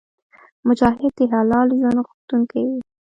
مجاهد د حلال ژوند غوښتونکی وي.